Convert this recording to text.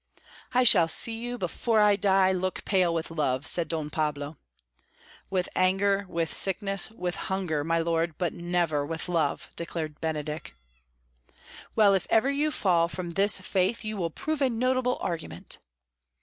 "I shall see you, before I die, look pale with love," said Don Pedro. "With anger, with sickness, with hunger, my lord, but never with love," declared Benedick. "Well, if ever you fall from this faith you will prove a notable argument."